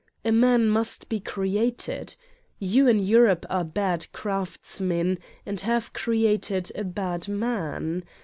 A man must be created. You in Europe are bad craftsmen and have created a bad man.